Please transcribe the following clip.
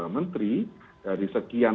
menteri dari sekian